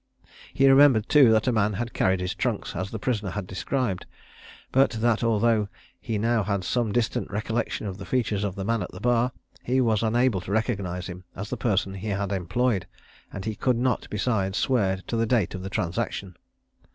He remembered too that a man had carried his trunks as the prisoner had described; but that although he now had some distant recollection of the features of the man at the bar, he was unable to recognize him as the person he had employed; and he could not besides swear to the date of the transaction.